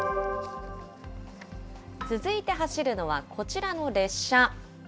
続いて走るのはこちらの列車。